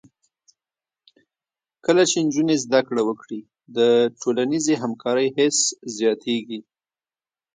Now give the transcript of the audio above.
کله چې نجونې زده کړه وکړي، د ټولنیزې همکارۍ حس زیاتېږي.